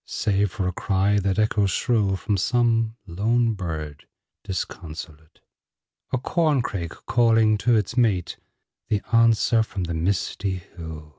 Save for a cry that echoes shrill From some lone bird disconsolate; A corncrake calling to its mate; The answer from the misty hill.